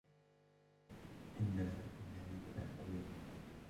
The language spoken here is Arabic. إِنَّ لَكَ فِي النَّهَارِ سَبْحًا طَوِيلًا